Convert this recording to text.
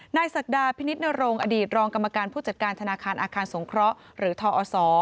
ศักดาพินิษฐนรงค์อดีตรองกรรมการผู้จัดการธนาคารอาคารสงเคราะห์หรือทอศ